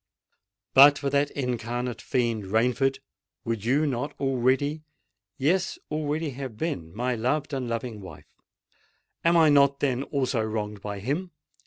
But for that incarnate fiend Rainford, would you not already—yes, already have been my loved and loving wife? Am I not, then, also wronged by him?